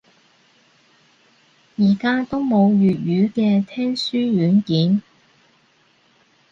而家都冇粵語嘅聽書軟件